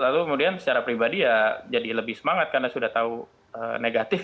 lalu kemudian secara pribadi ya jadi lebih semangat karena sudah tahu negatif